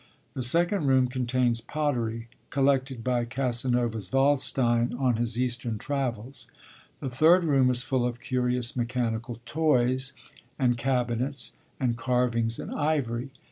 The second room contains pottery, collected by Casanova's Waldstein on his Eastern travels. The third room is full of curious mechanical toys, and cabinets, and carvings in ivory.